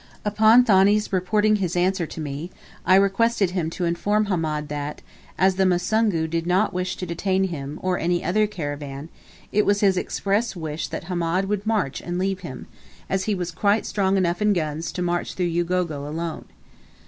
Upon Thani's reporting his answer to me, I requested him to inform Hamed that, as the Musungu did not wish to detain him, or any other caravan, it was his express wish that Hamed would march and leave him, as he was quite strong enough in guns to march through Ugogo alone.